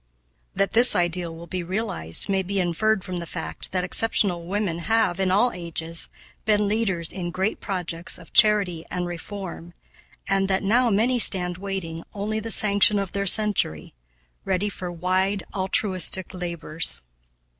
That this ideal will be realized may be inferred from the fact that exceptional women have, in all ages, been leaders in great projects of charity and reform, and that now many stand waiting only the sanction of their century, ready for wide altruistic labors.